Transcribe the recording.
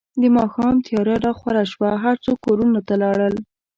د ماښام تیاره راخوره شوه، هر څوک کورونو ته لاړل.